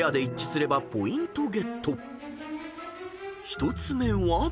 ［１つ目は］